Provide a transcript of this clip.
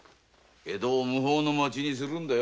江戸を無法の町にするんだ。